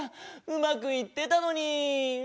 うまくいってたのに。